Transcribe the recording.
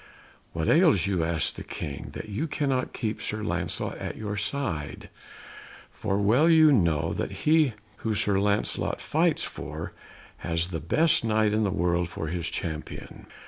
"What ails you?" asked the King, "that you cannot keep Sir Lancelot at your side, for well you know that he who Sir Lancelot fights for has the best Knight in the world for his champion.